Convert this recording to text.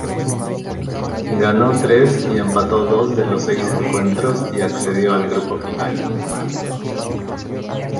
Ganó tres y empató dos de los seis encuentros y accedió al grupo final.